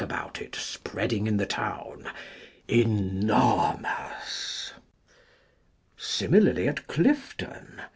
243 about it spreading in the town) enormous. Similarly at Clifton.